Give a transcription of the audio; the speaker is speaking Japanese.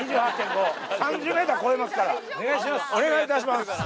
お願いします！